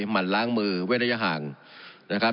หมั่นล้างมือเวทยาหางนะครับ